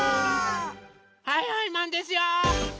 はいはいマンですよ！